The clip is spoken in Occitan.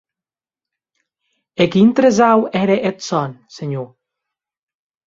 E quin tresau ère eth sòn, senhor?